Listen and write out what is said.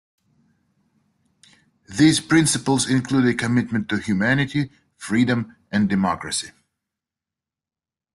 These principles include a commitment to humanity, freedom, and democracy.